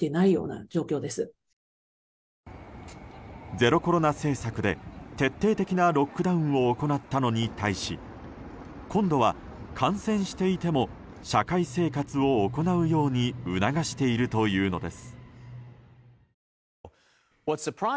ゼロコロナ政策で徹底的なロックダウンを行ったのに対し今度は、感染していても社会生活を行うように促しているというのです。